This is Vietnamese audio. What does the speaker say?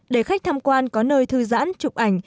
để khách tham quan có nơi thư giãn chụp ảnh